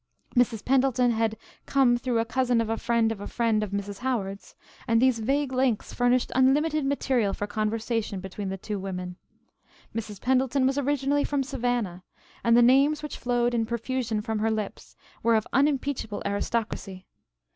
Mrs. Pendleton had "come" through a cousin of a friend of a friend of Mrs. Howard's, and these vague links furnished unlimited material for conversation between the two women. Mrs. Pendleton was originally from Savannah, and the names which flowed in profusion from her lips were of unimpeachable aristocracy.